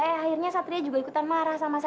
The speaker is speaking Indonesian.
eh akhirnya satria juga ikutan marah sama saya